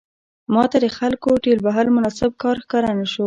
ماته د خلکو ټېل وهل مناسب کار ښکاره نه شو.